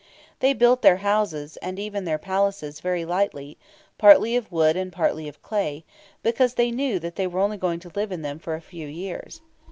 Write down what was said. They built their houses, and even their palaces, very lightly, partly of wood and partly of clay, because they knew that they were only to live in them for a few years.